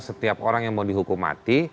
setiap orang yang mau dihukum mati